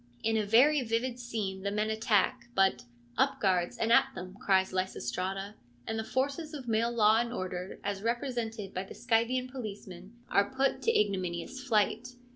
In a very vivid scene the men attack, but, ' Up guards, and at them !' cries Lysistrata ; and the forces of male law and order, as represented by the Scythian policemen, are put to ignominious flight.